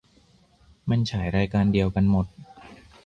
มันฉายรายการเดียวกันหมด